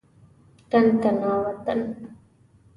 تن تنا وطن.